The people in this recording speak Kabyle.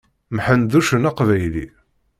Mḥend d uccen aqbayli.